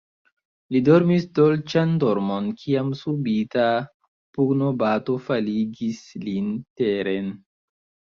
Li dormis dolĉan dormon, kiam subita pugnobato faligis lin teren.